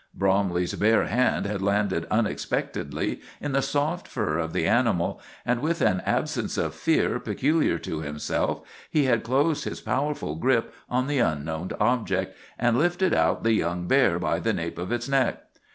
Bromley's bare hand had landed unexpectedly in the soft fur of the animal, and, with an absence of fear peculiar to himself, he had closed his powerful grip on the unknown object, and lifted out the young bear by the nape of its neck.